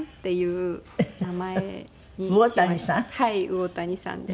魚谷燦さんです。